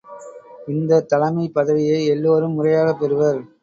இந்தத் தலைமைப் பதவியை எல்லோரும் முறையாகப் பெறுவர்.